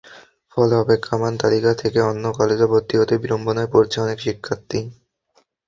ফলে অপেক্ষমাণ তালিকা থেকে অন্য কলেজে ভর্তি হতে বিড়ম্বনায় পড়ছে অনেক শিক্ষার্থী।